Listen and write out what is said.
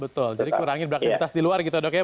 betul jadi kurangin beraktivitas di luar gitu dok ya